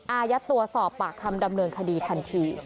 อายัดตัวสอบปากคำดำเนินคดีทันที